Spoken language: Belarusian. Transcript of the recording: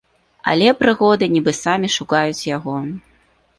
Але прыгоды нібы самі шукаюць яго.